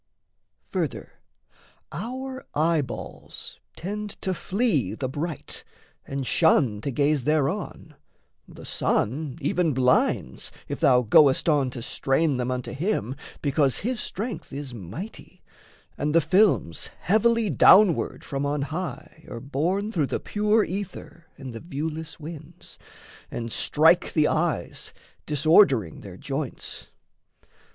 Further, our eye balls tend to flee the bright And shun to gaze thereon; the sun even blinds, If thou goest on to strain them unto him, Because his strength is mighty, and the films Heavily downward from on high are borne Through the pure ether and the viewless winds, And strike the eyes, disordering their joints.